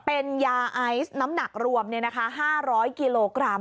เป็นยาไอซ์น้ำหนักรวม๕๐๐กิโลกรัม